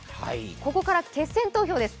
ここから決選投票です。